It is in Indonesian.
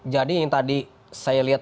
jadi yang tadi saya lihat